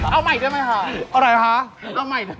เอาใหม่ได้ไหมคะอะไรคะ